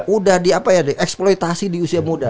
udah di apa ya di eksploitasi di usia muda